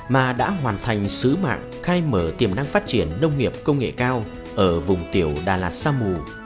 mà đã hoàn thành sứ mạng khai mở tiềm năng phát triển nông nghiệp công nghệ cao ở vùng tiểu đà lạt sa mù